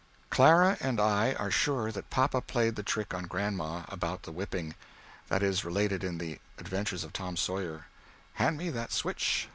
_ Clara and I are sure that papa played the trick on Grandma, about the whipping, that is related in "The Adventures of Tom Sayer": "Hand me that switch."